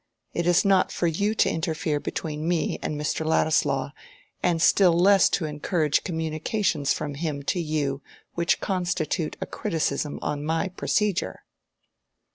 It is not for you to interfere between me and Mr. Ladislaw, and still less to encourage communications from him to you which constitute a criticism on my procedure."